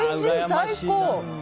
最高！